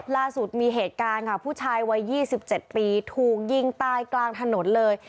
ล่าสุดมีเหตุการณ์ค่ะผู้ชายวัย๒๗ปีถูกยิงตายกลางถนนเลย